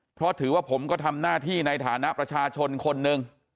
เพราะถือว่าผมก็ทำหน้าที่ในฐานะประชาชนคนหนึ่ง